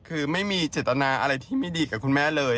คือไม่มีเจตนาอะไรที่ไม่ดีกับคุณแม่เลย